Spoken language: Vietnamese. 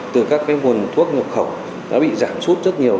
từ các nguồn thuốc nhập khẩu đã bị giảm sút rất nhiều